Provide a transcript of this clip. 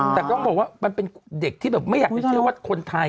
แต่ต้องบอกว่ามันเป็นเด็กที่แบบไม่อยากจะเชื่อว่าคนไทย